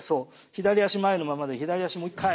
左足前のままで左足もう一回。